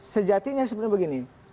sejatinya sebenarnya begini